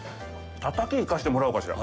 タタキ、いかしてもらおうかしら？